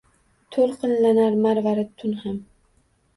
Toʼlqinlanar marvarid tun ham.